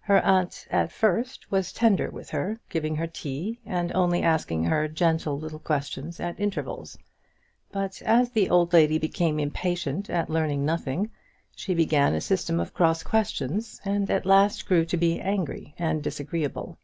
Her aunt at first was tender with her, giving her tea and only asking her gentle little questions at intervals; but as the old lady became impatient at learning nothing, she began a system of cross questions, and at last grew to be angry and disagreeable.